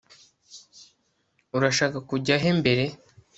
urashaka kujya he mbere